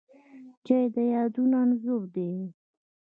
چای د یادونو انځور دی